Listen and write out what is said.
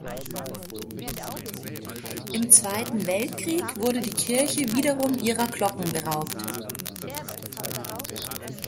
Im Zweiten Weltkrieg wurde die Kirche wiederum ihrer Glocken beraubt.